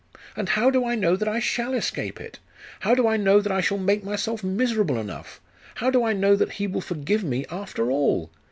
And how do I know that I shall escape it? How do I know that I shall make myself miserable enough? How do I know that He will forgive me after all?